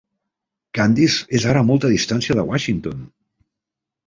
Candice és ara a molt distància de Washington!